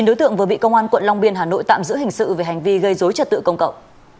chín đối tượng vừa bị công an quận long biên hà nội tạm giữ hình sự về hành vi gây dối trật tự công cộng